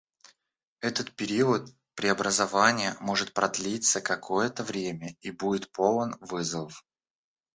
Этот период преобразования может продлиться какое-то время и будет полон вызовов.